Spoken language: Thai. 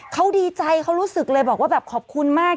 เขาดีใจเขารู้สึกเลยบอกว่าแบบขอบคุณมาก